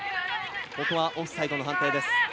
ここはオフサイドの判定です。